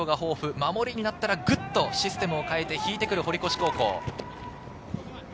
守りになったら、ぐっとシステムを変えて引いてくる堀越高校。